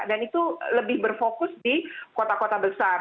dan itu lebih berfokus di kota kota besar